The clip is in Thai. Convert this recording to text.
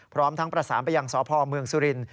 พร้อมทั้งประสานไปยังสพเมืองสุรินทร์